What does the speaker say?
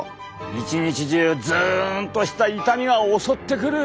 一日中ズンとした痛みが襲ってくる。